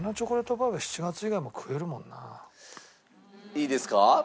いいですか？